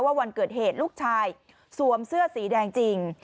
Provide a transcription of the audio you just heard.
วันเกิดเหตุลูกชายสวมเสื้อสีแดงจริง